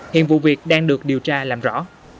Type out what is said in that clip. hiện vụ việc đang được điều tra làm rõ